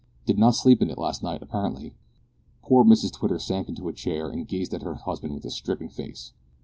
Did not sleep in it last night, apparently." Poor Mrs Twitter sank into a chair and gazed at her husband with a stricken face.